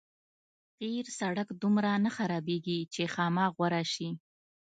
قیر سړک دومره نه خرابېږي چې خامه غوره شي.